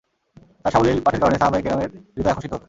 তাঁর সাবলীল পাঠের কারণে সাহাবায়ে কেরামের হৃদয় আকর্ষিত হত।